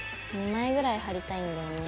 ２枚ぐらい貼りたいんだよね。